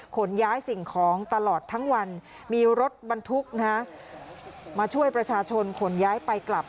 ขนย้ายสิ่งของตลอดทั้งวันมีรถบรรทุกนะฮะมาช่วยประชาชนขนย้ายไปกลับ